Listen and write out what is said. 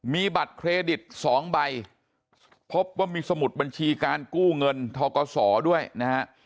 มีบัตรเครดิต๒ใบพบว่ามีสมุดบัญชีการกู้เงินทกศด้วยนะฮะ